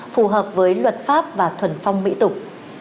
phù hợp với luật pháp và thuần phong mỹ tục